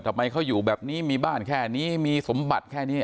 ทำไมเขาอยู่แบบนี้มีบ้านแค่นี้มีสมบัติแค่นี้